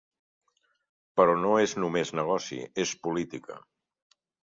Però no és només negoci, és política.